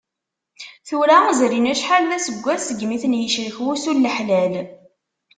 Tura zrin acḥal d aseggas, segmi ten-yecrek wusu n leḥlal.